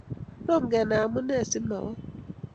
tom kenai amunee simawo